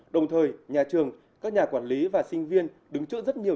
đồng thời nhà trường các nhà quản lý và sinh viên đứng chữa rất nhiều